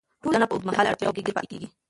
ټولنه په اوږدمهاله اړتیاوو کې ګیر پاتې کیږي.